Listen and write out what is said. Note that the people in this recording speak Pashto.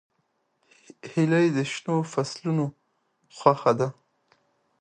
هیلۍ د شنو فصلونو خوښه ده